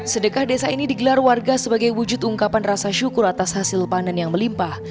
sedekah desa ini digelar warga sebagai wujud ungkapan rasa syukur atas hasil panen yang melimpah